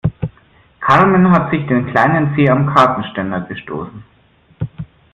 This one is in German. Carmen hat sich den kleinen Zeh am Kartenständer gestoßen.